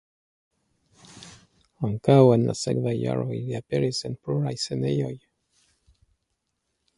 Ankaŭ en la sekvaj jaroj li aperis en pluraj scenejoj.